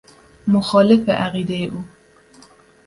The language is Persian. مخالف عقیده او